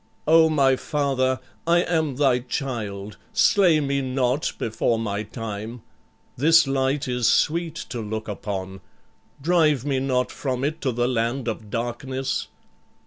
O my father, I am thy child; slay me not before my time. This light is sweet to look upon. Drive me not from it to the land of darkness.